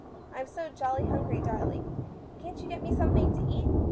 I'm so jolly hungry, darling ! Can't you get me something to eat